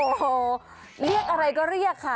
โอ้โหเรียกอะไรก็เรียกค่ะ